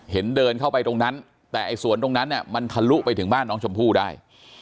เดินเข้าไปตรงนั้นแต่ไอ้สวนตรงนั้นเนี่ยมันทะลุไปถึงบ้านน้องชมพู่ได้